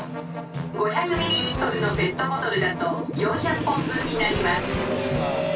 ５００ミリリットルのペットボトルだと４００本分になります」。